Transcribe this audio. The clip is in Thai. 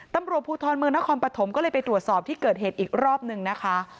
ตำรวจภูทรเมืองนครปฐมก็เลยไปตรวจสอบที่เกิดเหตุอีกรอบนึงนะคะ